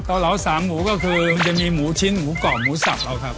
เหลาสามหมูก็คือมันจะมีหมูชิ้นหมูกรอบหมูสับเราครับ